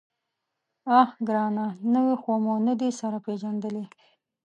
_اه ګرانه! نوي خو مو نه دي سره پېژندلي.